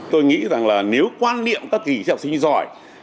tôi nghĩ rằng là nếu quan niệm các kỳ thi học sinh giỏi